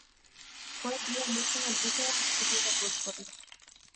Која било мочана џукела може да има господар.